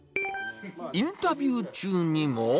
インタビュー中にも。